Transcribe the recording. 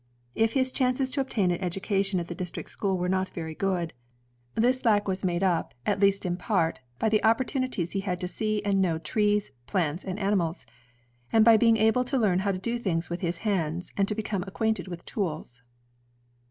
If his chances to obtain an education at the district school were not very good, this lack was made ELIAS HOWE 123 up, at least in part, by the opportiinities he had to see and know trees, plants, and animals; and by being able to leam how to do things with his hands, and to become acquainted with tools.